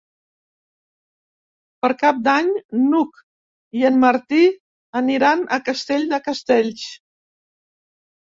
Per Cap d'Any n'Hug i en Martí aniran a Castell de Castells.